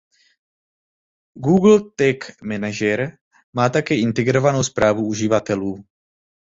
Google Tag Manager má také integrovanou správu uživatelů.